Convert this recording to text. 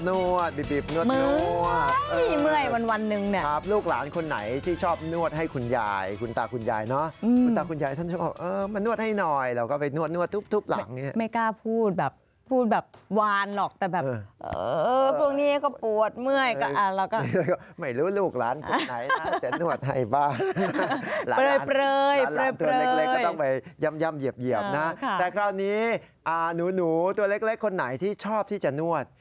นวดนวดนวดนวดนวดนวดนวดนวดนวดนวดนวดนวดนวดนวดนวดนวดนวดนวดนวดนวดนวดนวดนวดนวดนวดนวดนวดนวดนวดนวดนวดนวดนวดนวดนวดนวดนวด